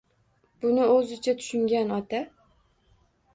Buni o‘zicha tushungan ota.